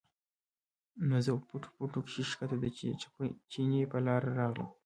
نو زۀ پۀ پټو پټو کښې ښکته د چینې پۀ لاره راغلم